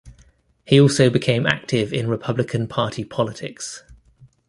He also became active in Republican Party politics.